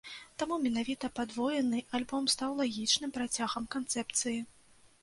Таму менавіта падвоены альбом стаў лагічным працягам канцэпцыі.